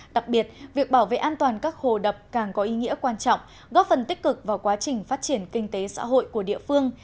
đặc biệt việc bảo vệ an toàn các hồ đập càng có ý nghĩa quan trọng góp phần tích cực vào quá trình phát triển kinh tế xã hội của địa phương